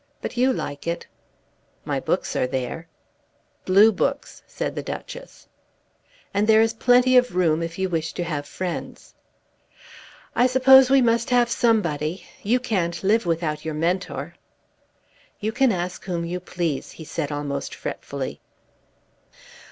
But you like it." "My books are there." "Blue books," said the Duchess. "And there is plenty of room if you wish to have friends." "I suppose we must have somebody. You can't live without your Mentor." "You can ask whom you please," he said almost fretfully.